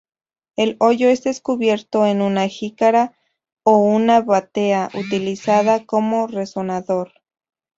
El hoyo es cubierto con una jícara o una batea, utilizada como resonador.